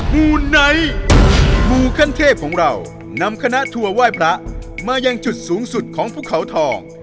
มูไนท์หมู่ขั้นเทพของเรานำคณะทัวร์ไหว้พระมายังจุดสูงสุดของภูเขาทอง